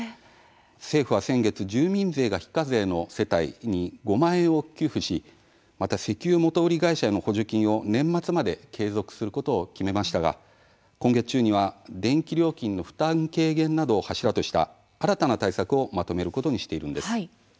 政府は先月、住民税が非課税の世帯に５万円を給付しまた、石油元売り会社への補助金を年末まで継続することを決めましたが、今月中には電気料金の負担軽減などを柱とした新たな対策をまとめることにしているんです。